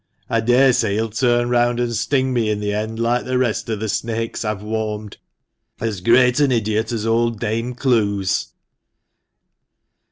I daresay he'll turn round and sting me in the end, like the rest of the snakes I have warmed. As great an idiot as old Dame Clowes